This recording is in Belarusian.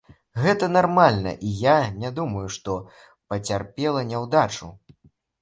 Гэта нармальна, і я не думаю, што пацярпела няўдачу.